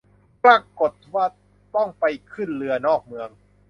ปรากฎว่าต้องไปขึ้นเรือนอกเมือง